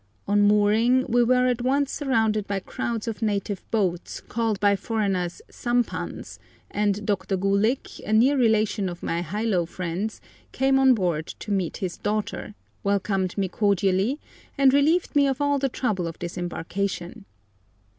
On mooring we were at once surrounded by crowds of native boats called by foreigners sampans, and Dr. Gulick, a near relation of my Hilo friends, came on board to meet his daughter, welcomed me cordially, and relieved me of all the trouble of disembarkation.